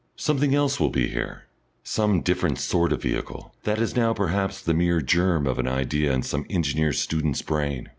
Something else will be here, some different sort of vehicle, that is now perhaps the mere germ of an idea in some engineer student's brain.